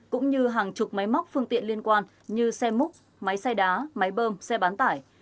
cũng như hàng chục máy móc phương tiện liên quan như xe múc máy xay đá máy bơm xe bán tải